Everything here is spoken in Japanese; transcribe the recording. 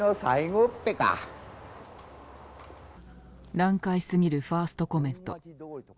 難解すぎるファーストコメント。